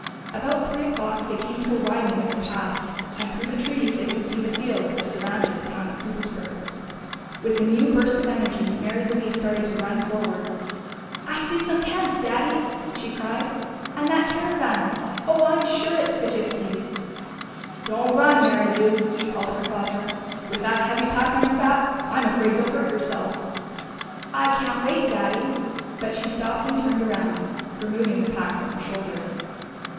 About three o'clock they came to a widening of the path, and through the trees they could see the fields that surrounded the town of Coopersburg. With a new burst of energy Mary Louise started to run forward. "I see some tents, Daddy!" she cried. "And that caravan! Oh, I'm sure it's the gypsies." "Don't run, Mary Lou!" called her father. "With that heavy pack on your back! I'm afraid you'll hurt yourself." "I can't wait, Daddy." But she stopped and turned around, removing the pack from her shoulders.